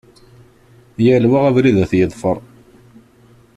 Yal wa abrid ad t-yeḍfer.